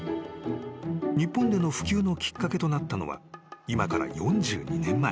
［日本での普及のきっかけとなったのは今から４２年前］